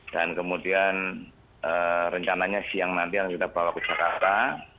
dan kemudian rencananya siang nanti kita bawa ke jakarta